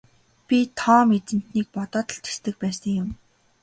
Би Том эзэнтнийг бодоод л тэсдэг байсан юм.